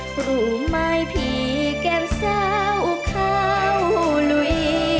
กลุ่มไม้พี่แก้มแซวเข้าลุย